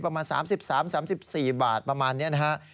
ประมาณ๓๓๔บาทประมาณนี้นะฮะ